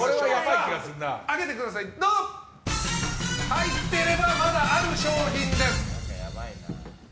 入ってればまだある商品です。